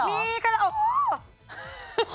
มีเคล็ปโอ้โห